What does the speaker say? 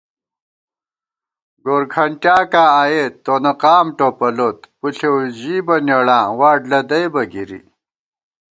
گورکھنٹیاکاں آئیېت، تونہ قام ٹوپَلوت ✿ پُݪېؤ ژِیبہ نیڑاں ، واٹ لدَئیبہ گِری